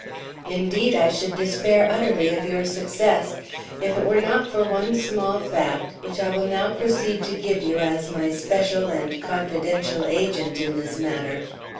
Indeed, I should despair utterly of your success if it were not for one small fact which I will now proceed to give you as my special and confidential agent in this matter.